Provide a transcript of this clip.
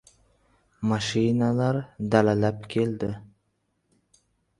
Mashinalar dalalab keldi.